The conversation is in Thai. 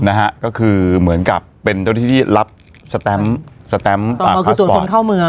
นะฮะก็คือเหมือนกับเป็นเจ้าหน้าที่ที่รับสแตมป์สแตมป์ต่อมอร์คือตรวจคนเข้าเมือง